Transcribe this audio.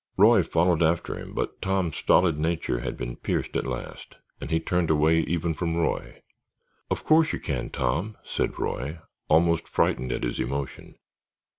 Roy followed after him, but Tom's stolid nature had been pierced at last and he turned away even from Roy. "Of course, you can, Tom," said Roy, almost frightened at his emotion.